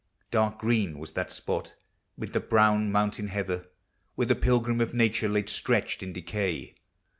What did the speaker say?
Dark green was that spot mid the brown moun tain heather, i ANIMATE NATURE. 365 Where the Pilgrim of Nature lay stretched in decay.